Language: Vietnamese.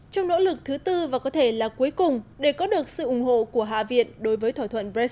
trong nỗ lực thứ tư và có thể là cuối cùng để có được sự ủng hộ của hạ viện đối với thỏa thuận brexit